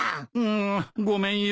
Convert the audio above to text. んごめんよ。